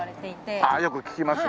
ああよく聞きますね。